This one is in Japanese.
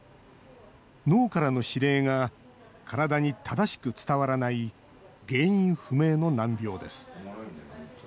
脳からの指令が体に正しく伝わらない原因不明の難病です。